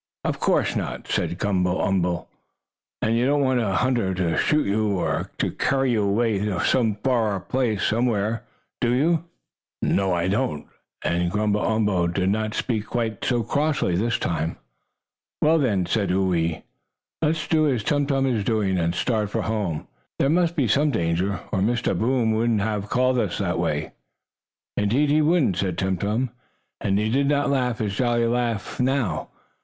"Of course not," said Gumble umble. "And you don't want a hunter to shoot you, or to carry you away far off somewhere, do you?" "You know I don't," and Gumble umble did not speak quite so crossly this time. "Well, then," said Whoo ee, "let's do as Tum Tum is doing, and start for home. There must be some danger, or Mr. Boom wouldn't have called to us that way." "Indeed he wouldn't," said Tum Tum, and he did not laugh in his jolly way now.